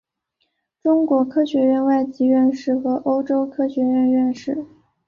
中国科学院外籍院士和欧洲科学院院士。